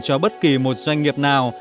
cho bất kỳ một doanh nghiệp nào